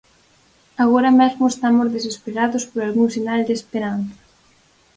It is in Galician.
Agora mesmo estamos desesperados por algún sinal de esperanza.